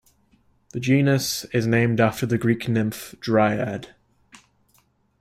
The genus is named after the Greek nymph Dryad.